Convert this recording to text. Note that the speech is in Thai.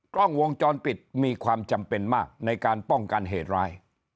กล้องวงจรปิดมีความจำเป็นมากในการป้องกันเหตุร้าย